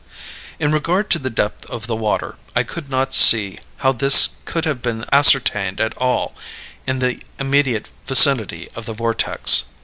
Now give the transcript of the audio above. In regard to the depth of the water, I could not see how this could have been ascertained at all in the immediate vicinity of the vortex.